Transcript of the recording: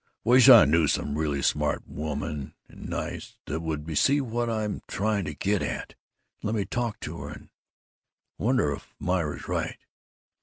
"Wish I knew some really smart woman, and nice, that would see what I'm trying to get at, and let me talk to her and I wonder if Myra's right?